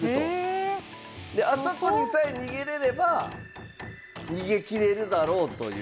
であそこにさえ逃げれれば逃げきれるだろうという。